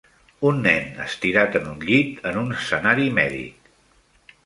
Un nen estirat en un llit en un escenari mèdic.